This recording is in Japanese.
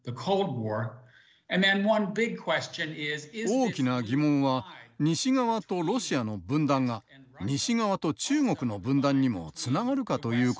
大きな疑問は西側とロシアの分断が西側と中国の分断にもつながるかということです。